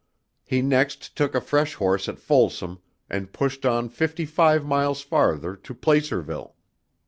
He next took a fresh horse at Folsom and pushed on fifty five miles farther to Placerville.